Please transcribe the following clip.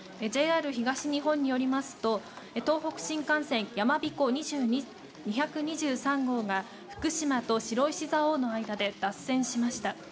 ＪＲ東日本によりますと東北新幹線やまびこ２２３号が福島と白石蔵王の間で脱線しました。